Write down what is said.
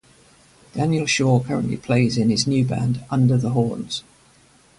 Daniel Shaw currently plays in his new band Under The Horns.